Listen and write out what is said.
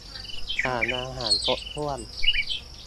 สารอาหารครบถ้วน